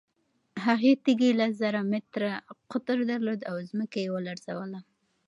هغې تیږې لس زره متره قطر درلود او ځمکه یې ولړزوله.